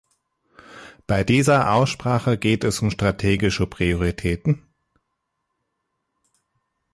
Bei dieser Aussprache geht es um strategische Prioritäten.